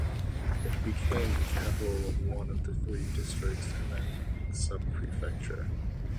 It became the capital of one of the three districts and then sub-prefecture.